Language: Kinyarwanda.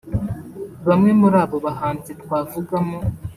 Bamwe muri abo bahanzi twavugamo